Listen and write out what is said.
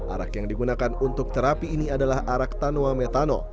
arak yang digunakan untuk terapi ini adalah arak tanua metano